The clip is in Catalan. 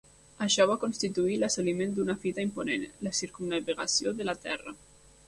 Això va constituir l'assoliment d'una fita imponent: la circumnavegació de la Terra.